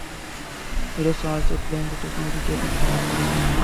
Eros also claimed to be irritated by Apollo's singing.